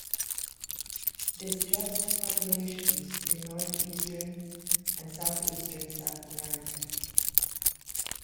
Disjust populations in northeastern and southeastern South America.